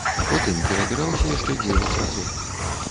Потым перабіраўся яшчэ дзевяць разоў.